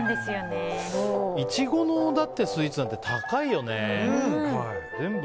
イチゴのスイーツなんて高いよね。